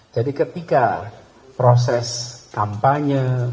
jadi ketika proses kampanye